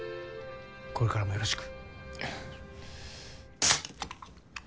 これからもよろしく。